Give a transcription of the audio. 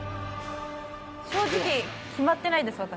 正直決まってないです私。